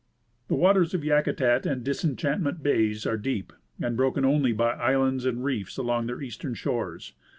The waters of Yakutat and Disenchantment bays are deep, and broken only by islands and reefs along their eastern shores.